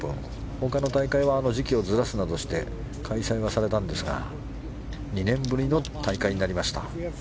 他の大会は時期をずらすなどして開催はされたんですが２年ぶりの大会になりました。